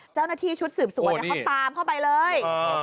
เจ้าหน้าที่ชุดสืบสวนเขาตามเข้าไปเลย